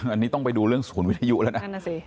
อันนี้ต้องไปดูเรื่องศูนย์วิทยุแล้วนะ